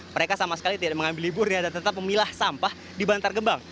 mereka sama sekali tidak mengambil liburnya dan tetap memilah sampah di bantar gebang